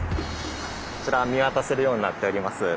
こちら見渡せるようになっております。